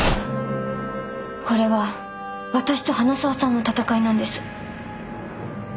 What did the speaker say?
これは私と花澤さんの戦いなんです。